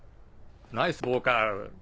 ナイスボーカル！